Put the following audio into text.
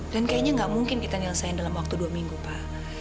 dan kayaknya gak mungkin kita nilisain dalam waktu dua minggu pak